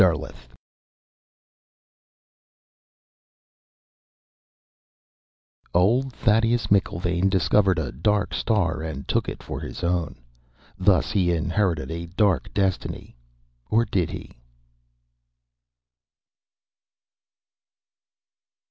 _] _Old Thaddeus McIlvaine discovered a dark star and took it for his own. Thus he inherited a dark destiny or did he?